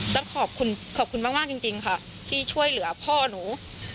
ขอบคุณขอบคุณมากจริงค่ะที่ช่วยเหลือพ่อหนู